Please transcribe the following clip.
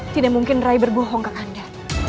tidak mungkin rai berbohong kak kanda